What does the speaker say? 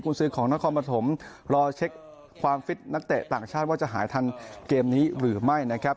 ซื้อของนครปฐมรอเช็คความฟิตนักเตะต่างชาติว่าจะหายทันเกมนี้หรือไม่นะครับ